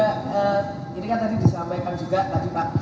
operasi pks dan lasgir inginnya dibawa ke keberlanjutan ada keberlanjutan disana